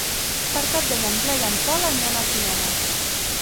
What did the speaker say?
Per Cap d'Any en Blai i en Pol aniran al cinema.